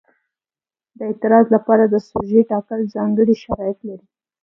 د اعتراض لپاره د سوژې ټاکل ځانګړي شرایط لري.